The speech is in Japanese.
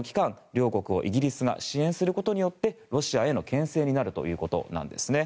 両国をイギリスが支援することによってロシアへの牽制になるということです。